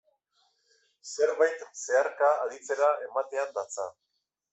Zerbait zeharka aditzera ematean datza.